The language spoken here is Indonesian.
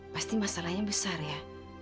pasti masalahnya besar ya